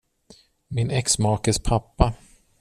Min exmakes pappa.